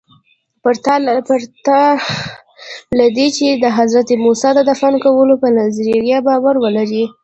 پرته له دې چې د حضرت موسی د دفن کولو په نظریه باور ولرئ.